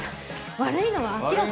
悪いのは明らかに。